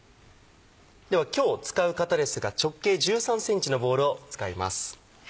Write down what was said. では今日使う型ですが直径１３ｃｍのボウルを使います。